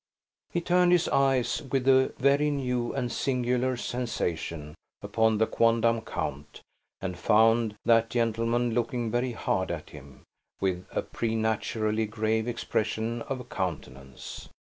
He turned his eyes, with a very new and singular sensation, upon the quondam count, and found that gentlemen looking very hard at him, with, a preternaturally grave expression of countenance.